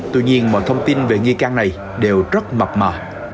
tuy nhiên mọi thông tin về nghi can này đều rất mập mờ